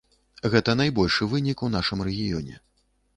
Гэта найбольшы вынік у нашым рэгіёне.